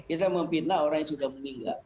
kita memfitnah orang yang sudah meninggal